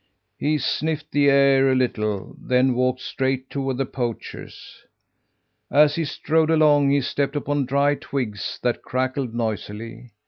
He sniffed the air a little, then walked straight toward the poachers. As he strode along he stepped upon dry twigs that crackled noisily.